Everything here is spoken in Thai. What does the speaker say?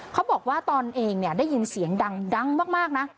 เขาบอกว่าตอนเองได้ยินเสียงดังมากนะ